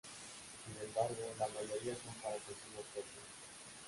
Sin embargo, la mayoría son para consumo propio.